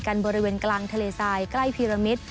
บริเวณกลางทะเลทรายใกล้พีรมิตร